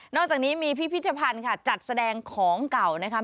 นอกจากนี้มีพิจารณ์จัดแสดงของเก่านะคะ